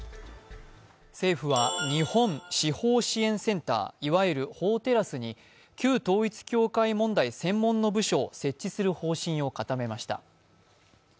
政府は日本司法支援センター、いわゆる法テラスに旧統一教会問題専門の部署を設置する方針を固めました。